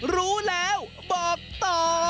รู้แล้วบอกต่อ